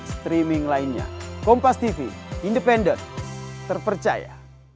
streaming lainnya kompas tv independen terpercaya